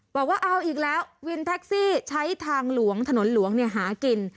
บอกว่าเอาอีกแล้ววินแท็กซี่ใช้ทางหลวงถนนหลวงหากิน